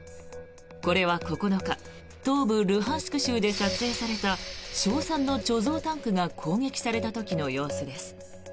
これは９日東部ルハンシク州で撮影された硝酸の貯蔵タンクが攻撃された時の様子です。